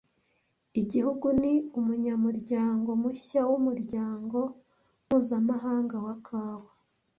Igihugu ni umunyamuryango mushya w’umuryango mpuzamahanga wa Kawa